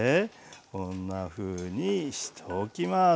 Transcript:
こんなふうにしておきます。